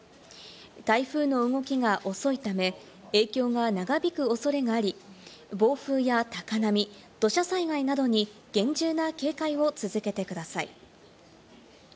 台風の動きが遅いため、影響が長引く恐れがあり、暴風や高波、土砂災害などに厳重な警戒を続けてください。